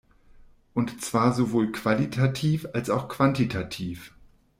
Und zwar sowohl qualitativ als auch quantitativ.